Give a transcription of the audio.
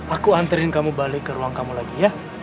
aku anterin kamu balik ke ruang kamu lagi ya